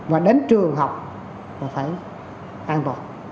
và đến trường học là phải an toàn